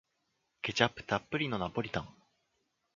ケチャップたっぷりのナポリタン